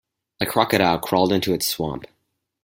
The Crocodile crawled into its swamp.